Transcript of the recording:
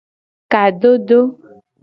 Kadodo.